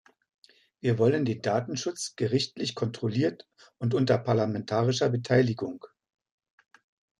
Wir wollen den Datenschutz gerichtlich kontrolliert und unter parlamentarischer Beteiligung.